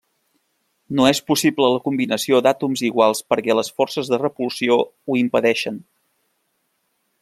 No és possible la combinació d'àtoms iguals perquè les forces de repulsió ho impedeixen.